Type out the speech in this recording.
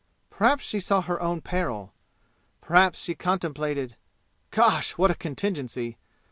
Perhaps she saw her own peril. Perhaps she contemplated gosh! what a contingency!